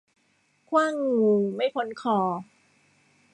ขว้างงูไม่พ้นคอ